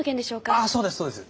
ああそうですそうです。